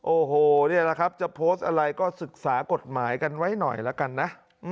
โอ้โหนี่แหละครับจะโพสต์อะไรก็ศึกษากฎหมายกันไว้หน่อยละกันนะ